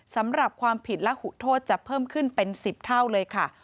สำหรับความผิดและหุโทษจะเพิ่มขึ้นเป็น๑๐เท่าเลยค่ะ